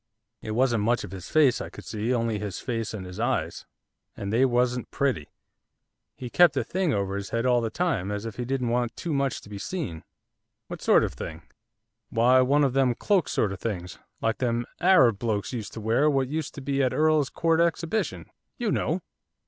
It wasn't much of his face I could see, only his face and his eyes, and they wasn't pretty. He kept a thing over his head all the time, as if he didn't want too much to be seen.' 'What sort of a thing?' 'Why, one of them cloak sort of things, like them Arab blokes used to wear what used to be at Earl's Court Exhibition, you know!